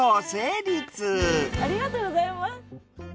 ありがとうございます。